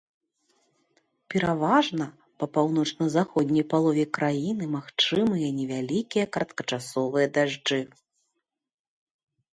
Пераважна па паўночна-заходняй палове краіны магчымыя невялікія кароткачасовыя дажджы.